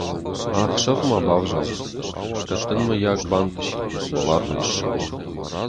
Ахсӕв-ма бавзар, кӕд дын, мыййаг, бантысид уӕларвмӕ ссӕуын.